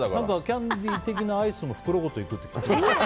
キャンディー的なアイスも袋ごといくって聞いていますけど。